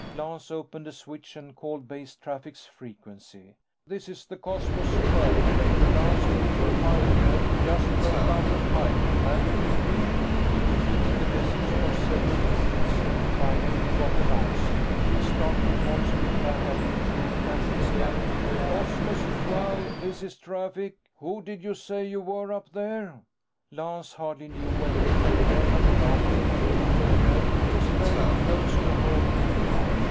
Lance opened a switch and called Base Traffic's frequency. "This is the Cosmos XII, Major Lance Cooper piloting. Just broke out of hype. Can you read me?" He repeated the message for several minutes. Finally, he got an answer. A startled voice whipped back at him through crackling static: "Cosmos XII, this is Traffic. Who did you say you were up there?" Lance hardly knew whether he felt more like laughing or crying. He was fairly close to home, anyhow.